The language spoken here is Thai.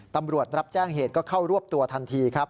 ตำรวจรับแจ้งเหตุก็เข้ารวบตัวทันทีครับ